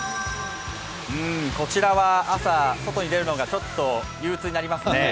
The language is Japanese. こちらは朝、外に出るのが憂うつになりますね。